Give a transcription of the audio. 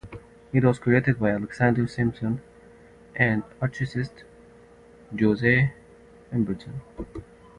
It was created by Alexander Simpson and architect Joseph Emberton.